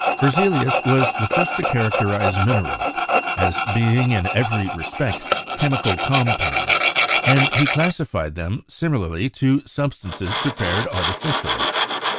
Berzelius was the first to characterize minerals as being in every respect "chemical compounds," and he classified them similarly to substances prepared artificially.